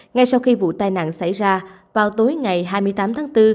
ngay sau khi vụ tai nạn xảy ra vào tối ngày hai mươi tám tháng bốn